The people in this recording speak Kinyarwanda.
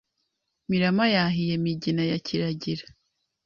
Mirama yahiye Migina ya Kiragira